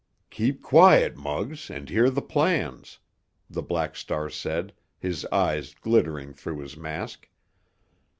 "Keep quiet, Muggs, and hear the plans," the Black Star said, his eyes glittering through his mask.